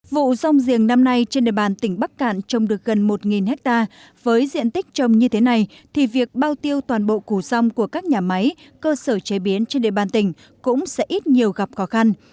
vụ rong giềng năm nay trên địa bàn tỉnh bắc cạn trồng được gần một ha với diện tích trồng như thế này thì việc bao tiêu toàn bộ củ rong của các nhà máy cơ sở chế biến trên địa bàn tỉnh cũng sẽ ít nhiều gặp khó khăn